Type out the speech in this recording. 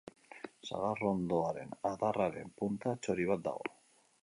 Sagarrondoaren adarraren punta txori bat dago.